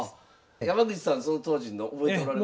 山口さんその当時の覚えておられますか？